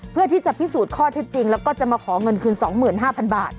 เพื่อที่จะพิสูจน์ข้อเท็จจริงแล้วก็จะมาขอเงินคืน๒๕๐๐บาท